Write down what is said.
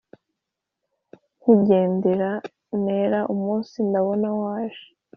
Nkigendera nera Umunsi ndabona waje;